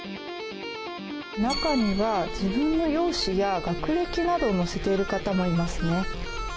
中には自分の容姿や学歴などを載せている方もいますね。